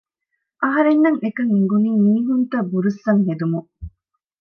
އަހަރެންނަށް އެކަން އެނގުނީ މީހުންތައް ބުރުއްސަން ހެދުމުން